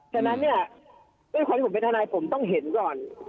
ฉะนั้นเนี่ยด้วยความที่ผมเป็นทนายผมต้องเห็นก่อน